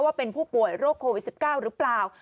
ว่าเป็นผู้ป่วยโรคโควิด๑๙หรือเปล่า